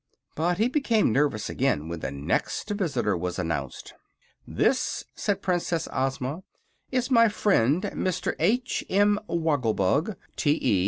But he became nervous again when the next visitor was announced. "This," said Princess Ozma, "is my friend Mr. H. M. Woggle Bug, T. E.